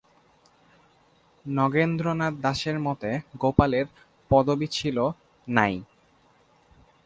নগেন্দ্রনাথ দাসের মতে গোপালের পদবী ছিল 'নাই'।